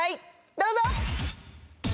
どうぞ！